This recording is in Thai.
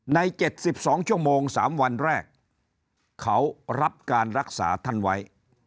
๗๒ชั่วโมง๓วันแรกเขารับการรักษาท่านไว้